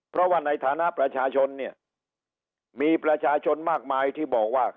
เพราะว่าในฐานะประชาชนเนี่ยมีประชาชนมากมายที่บอกว่า